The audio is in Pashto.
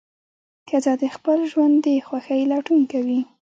ښځه د خپل ژوند د خوښۍ لټون کوي.